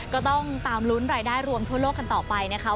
ก็ต้องตามลุ้นรายได้รวมทั่วโลกกันต่อไปนะคะ